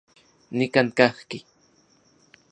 Nikan kajki.